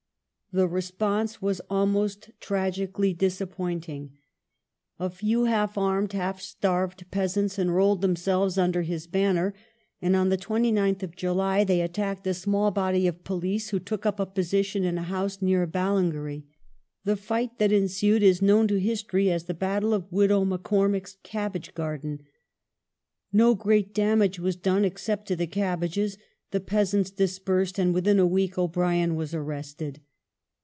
The response was almost tragically disappointing. A few half armed, half starved peasants enrolled themselves under his banner, and on 29th July they attacked a small body of police who took up a position in a house near Ballingarry. The fight that ensued is known to history as the " Battle of Widow McCormack's cabbage garden ". No great damage was done except to the cabbages ; the peasants dis persed ; and within a week O'Brien was arrested.